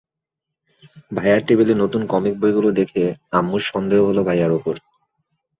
ভাইয়ার টেবিলে নতুন কমিক বইগুলো দেখে আম্মুর সন্দেহ হলো ভাইয়ার ওপর।